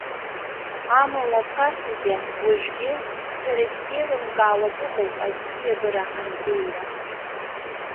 Амала, ԥасагьы, уажәгьы сара исзеилымкаауа акы ыҟоуп абзиабара анбеиуа?